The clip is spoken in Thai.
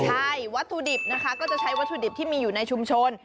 ใช่วัตถุดิบนะคะก็จะใช้วัตถุดิบที่มีอยู่ในชุมชน